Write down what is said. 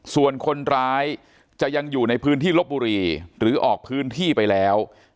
ส่วนคนร้ายจะยังอยู่ในพื้นที่ลบบุรีหรือออกพื้นที่ไปแล้ว